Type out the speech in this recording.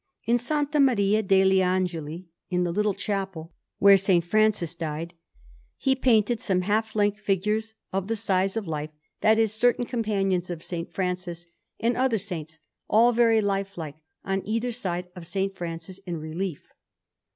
In S. Maria degli Angeli, in the little chapel where S. Francis died, he painted some half length figures of the size of life that is, certain companions of S. Francis and other saints all very lifelike, on either side of a S. Francis in relief.